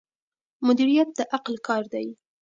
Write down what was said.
مدیریت د عقل کار دی.